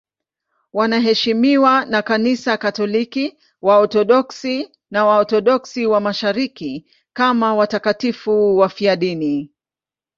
Wanaheshimiwa na Kanisa Katoliki, Waorthodoksi na Waorthodoksi wa Mashariki kama watakatifu wafiadini.